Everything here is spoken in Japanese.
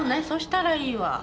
そうしたらいいわ。